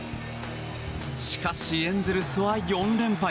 しかし、エンゼルスは４連敗。